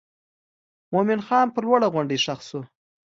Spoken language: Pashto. مومن خان پر لوړه غونډۍ ښخ شو.